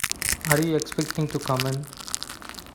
Are you expecting to come in?